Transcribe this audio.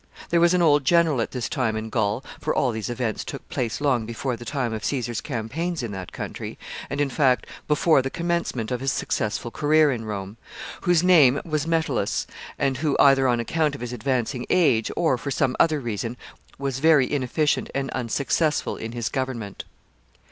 There was an old general at this time in Gaul for all these events took place long before the time of Caesar's campaigns in that country, and, in fact, before the commencement of his successful career in Rome whose name was Metellus, and who, either on account of his advancing age, or for some other reason, was very inefficient and unsuccessful in his government.